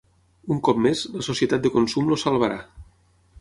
Un cop més, la societat de consum els salvarà.